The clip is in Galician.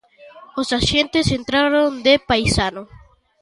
Os axentes entraron de paisano.